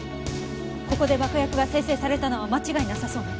ここで爆薬が生成されたのは間違いなさそうね。